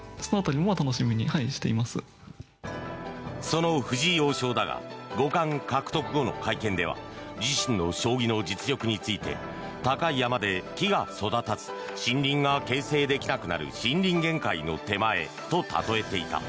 その藤井王将だが五冠獲得後の会見では自身の将棋の実力について高い山で木が育たず森林が形成できなくなる森林限界の手前と例えていた。